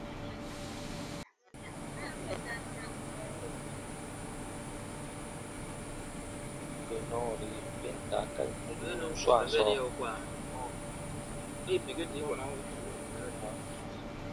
Bù bè nɔɔri ben daakari kpindun swaa sɔɔ,